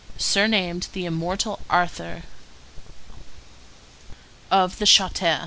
surnamed "The Immortal Author of the Charter."